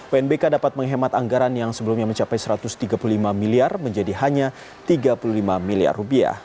unbk dapat menghemat anggaran yang sebelumnya mencapai rp satu ratus tiga puluh lima miliar menjadi hanya rp tiga puluh lima miliar